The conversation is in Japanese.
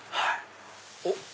おっ！